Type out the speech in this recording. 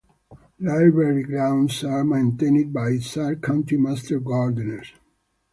Library grounds are maintained by Izard Country Master Gardeners.